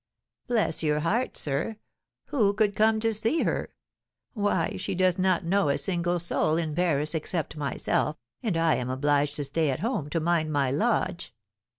'Bless your heart, sir! Who could come to see her? Why, she does not know a single soul in Paris, except myself, and I am obliged to stay at home to mind my lodge.